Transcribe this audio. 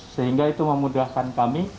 sehingga itu memudahkan kita untuk mencari korban